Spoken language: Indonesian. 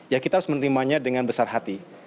ya kita harus menerimanya dengan besar hati